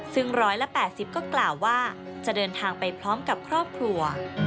ซึ่ง๑๘๐ก็กล่าวว่าจะเดินทางไปพร้อมกับครอบครัว